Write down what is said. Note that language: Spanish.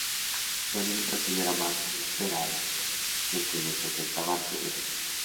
Pero ningún partido era más esperado que el que les enfrentaba ante St.